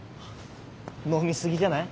飲みすぎじゃない？